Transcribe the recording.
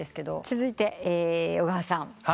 続いて小川さん。